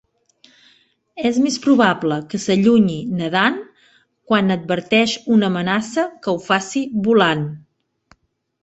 És més probable que s'allunyi nadant quan adverteix una amenaça que ho faci volant.